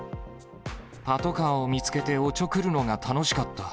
パトカーを見つけておちょくるのが楽しかった。